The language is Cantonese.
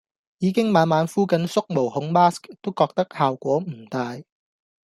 已經晚晚敷緊縮毛孔 mask 都覺得效果唔大